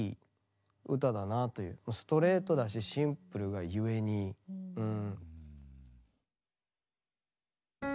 ストレートだしシンプルがゆえにうん。